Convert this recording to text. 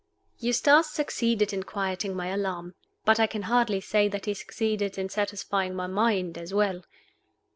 EUSTACE succeeded in quieting my alarm. But I can hardly say that he succeeded in satisfying my mind as well.